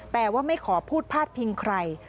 แต่ว่าไม่ขอพูดพาดพิงใคร